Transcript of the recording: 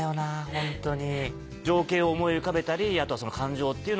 ホントに。